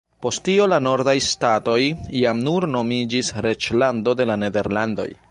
Post tio la nordaj ŝtatoj jam nur nomiĝis Reĝlando de la Nederlandoj.